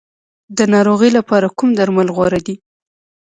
د ناروغۍ لپاره کوم درمل غوره دي؟